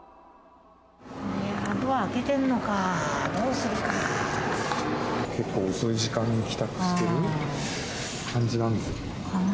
ドア開けてるのか、どうする結構、遅い時間に帰宅してる感じなんでしょうか。